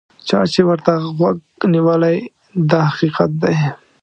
چا چې ورته غوږ نیولی دا حقیقت دی.